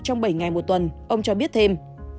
trong bảy ngày một tuần ông cho biết thêm